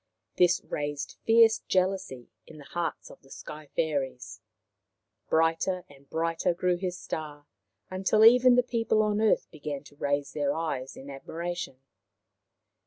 This raised fierce jealousy in the hearts of the Sky fairies. Brighter and brighter grew his star, until even the people on the earth began to raise their eyes in admiration.